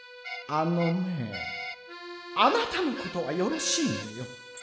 「あのねあなたのことはよろしいのよ。